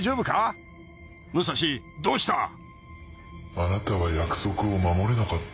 あなたは約束を守れなかった。